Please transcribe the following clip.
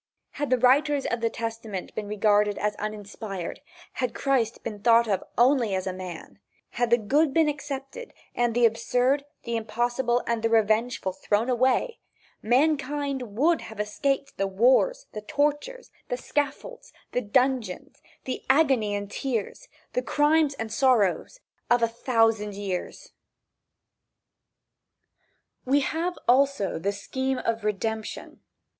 Had the writers of the Testament been regarded as uninspired, had Christ been thought of only as a man, had the good been accepted and the absurd, the impossible, and the revengeful thrown away, mankind would have escaped the wars, the tortures, the scaffolds, the dungeons, the agony and tears, the crimes and sorrows of a thousand years. VI. THE "SCHEME" WE have also the scheme of redemption.